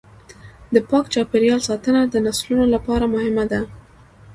د پاک چاپیریال ساتنه د نسلونو لپاره مهمه ده.